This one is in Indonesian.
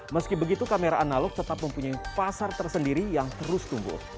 meski begitu kamera analog tetap mempunyai pasar tersendiri yang terus tumbuh